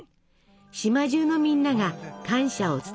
島中のみんなが感謝を伝え合います。